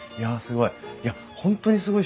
いやすごい。